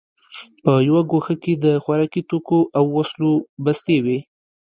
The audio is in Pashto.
په یوه ګوښه کې د خوراکي توکو او وسلو بستې وې